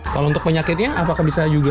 kalau untuk penyakitnya apakah bisa juga